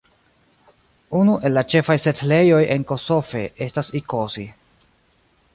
Unu el la ĉefaj setlejoj en Kosofe estas Ikosi.